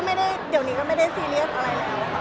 แต่ว่าเดี๋ยวนี้ก็ไม่ได้ซีเรียสหลายแล้วค่ะ